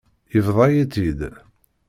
Yebḍa-yi-tt-id.